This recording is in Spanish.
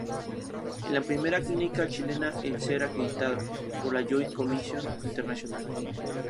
Es la primera clínica chilena en ser acreditada por la "Joint Commission International".